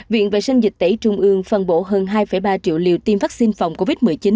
viện vệ sinh dịch tễ trung ương phân bổ hơn hai ba triệu liều tiêm vaccine phòng covid một mươi chín